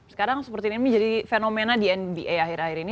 sekarang super team ini menjadi fenomena di nba akhir akhir ini